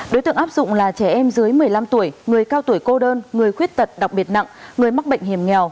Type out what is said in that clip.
đối tượng áp dụng là trẻ em dưới một mươi năm tuổi người cao tuổi cô đơn người khuyết tật đặc biệt nặng người mắc bệnh hiểm nghèo